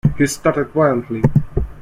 He started violently.